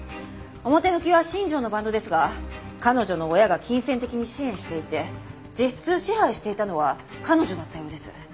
表向きは新庄のバンドですが彼女の親が金銭的に支援していて実質支配していたのは彼女だったようです。